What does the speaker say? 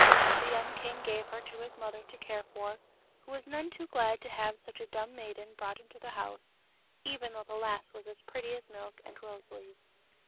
The young king gave her to his mother to care for, who was none too glad to have such a dumb maiden brought into the house, even though the lass was as pretty as milk and rose leaves.